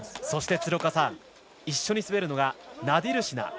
そして一緒に滑るのがナディルシナ。